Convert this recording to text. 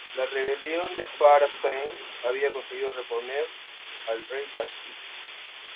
La rebelión de Phraya San había conseguido deponer al rey Taksin.